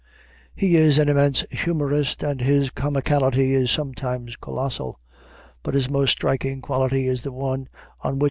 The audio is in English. He is an immense humorist and his comicality is sometimes colossal; but his most striking quality is the one on which M.